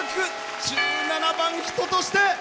１７番「人として」。